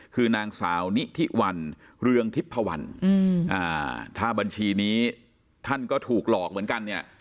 คือนางสาวนิทิวันเรืองทิพพวันถ้าบัญชีนี้ท่านก็ถูกหลอกเหมือนกันเนี่ย